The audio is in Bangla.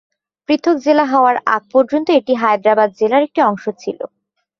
পৃথক জেলা হওয়ার আগ পর্যন্ত এটি হায়দ্রাবাদ জেলার একটি অংশ ছিল।